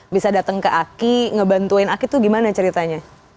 bisa datang ke aki ngebantuin aki tuh gimana ceritanya